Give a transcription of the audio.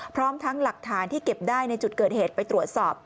พร้อมทั้งหลักฐานที่เก็บได้ในจุดเกิดเหตุไปตรวจสอบ